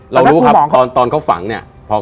รู้ครับตอนเขาฝังเนี่ย